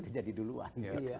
udah jadi duluan